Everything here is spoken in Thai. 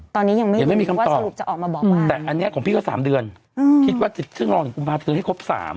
ตอนนี้ยังไม่มีคำตอบแต่อันนี้ของพี่ก็๓เดือนคิดว่าจะซึ่งลองมาซื้อให้ครบ๓